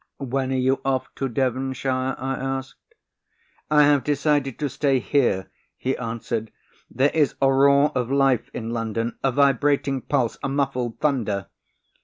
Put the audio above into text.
"When are you off to Devonshire?" I asked. "I have decided to stay here," he answered, "there is a roar of life in London, a vibrating pulse, a muffled thunder."